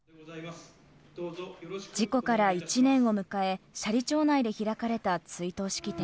事故から１年を迎え、斜里町内で開かれた追悼式典。